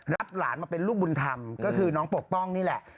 รับหลานมาเป็นลูกบุญธรรมก็คือน้องปกป้องนี่แหละ